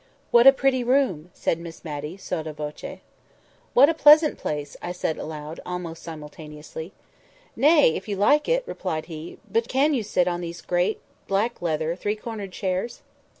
"What a pretty room!" said Miss Matty, sotto voce. "What a pleasant place!" said I, aloud, almost simultaneously. "Nay! if you like it," replied he; "but can you sit on these great, black leather, three cornered chairs?